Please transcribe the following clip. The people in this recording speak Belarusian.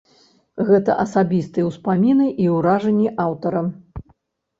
Гэта асабістыя ўспаміны і ўражанні аўтара.